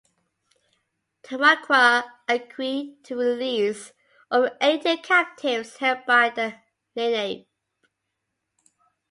Tamaqua agreed to release over eighty captives held by the Lenape.